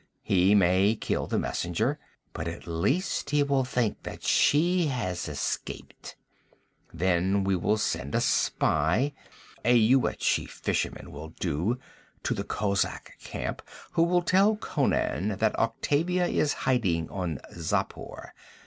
He may kill the messenger, but at least he will think that she has escaped. 'Then we will send a spy a Yuetshi fisherman will do to the kozak camp, who will tell Conan that Octavia is hiding on Xapur.